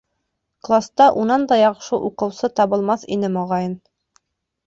Класта унан да яҡшы уҡыусы табылмаҫ ине, моғайын.